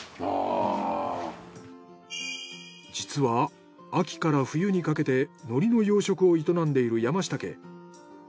実は秋から冬にかけて海苔の養殖を営んでいる山下家。